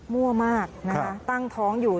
มั่วมากตั้งท้องอยู่